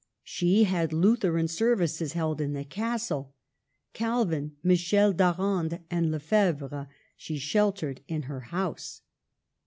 She had Lutheran services held in the castle. Calvin, Michel d'Arande, and Lefebvre she sheltered in her house.